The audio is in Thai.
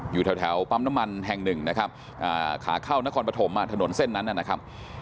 อยู่แถวปั๊มน้ำมันแห่งหนึ่งนะครับขาเข้านครปฐมถนนเส้นนั้นนะครับ